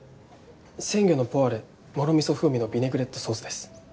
鮮魚のポワレもろ味噌風味のビネグレットソースです。